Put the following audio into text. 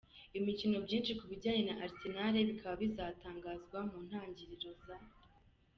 imikino, byinshi ku bijyanye na Arsenal bikaba bizatangazwa mu ntangiriro za